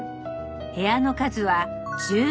部屋の数は１０。